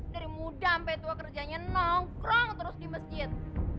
dari muda sampai tua kerjanya nongkrong terus di masjid